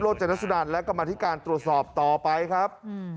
จนัสดันและกรรมธิการตรวจสอบต่อไปครับ